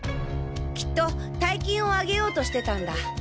きっと大金をあげようとしてたんだ。